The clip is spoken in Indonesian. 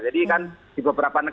jadi kan di beberapa negara